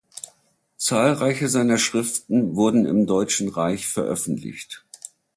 Zahlreiche seiner Schriften wurden im Deutschen Reich veröffentlicht.